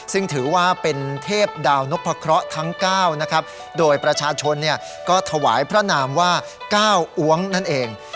ซึ่งถือว่าเป็นเทพดาวนพะเคราะห์ทั้ง๙นะครับโดยประชาชนเนี่ยก็ถวายพระนามว่า๙อ้วงนั่นเอง